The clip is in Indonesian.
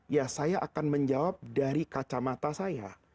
ya saya akan menjawab dari kacamata saya